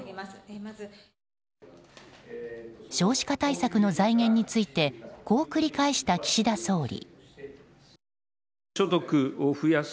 少子化対策の財源についてこう繰り返した岸田総理。